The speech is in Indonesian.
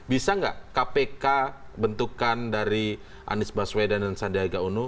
bisa nggak kpk bentukan dari anies baswedan dan sandiaga uno